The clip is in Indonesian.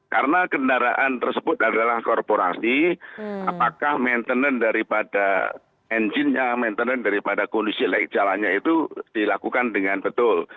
karena kendaraan tersebut adalah korporasi apakah maintenance daripada engine nya maintenance daripada kondisi light jalannya itu dilakukan dengan betul